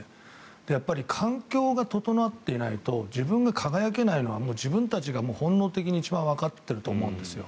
やっぱり環境が整っていないと自分が輝けないのはもう自分たちが本能的にわかっていると思うんです。